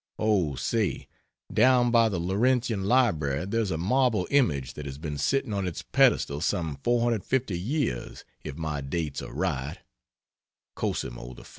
Oh, say! Down by the Laurentian Library there's a marble image that has been sitting on its pedestal some 450 Years, if my dates are right Cosimo I.